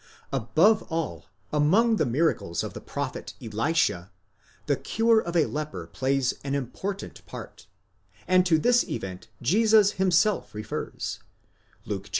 "Above all, among the miracles of the prophet Elisha the cure of a leper plays an important part, and to this event Jesus himself 'refers (Luke iv.